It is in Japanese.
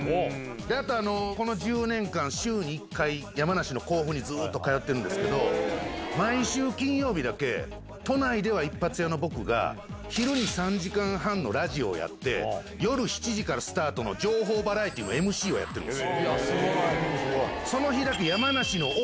あと、この１０年間、週に１回、山梨の甲府にずっと通ってるんですけど、毎週金曜日だけ、都内では一発屋の僕が、昼に３時間半のラジオをやって、夜７時からスタートの情報バラエティーもＭＣをやってるんです。